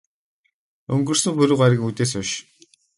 Өнгөрсөн пүрэв гаригийн үдээс хойш.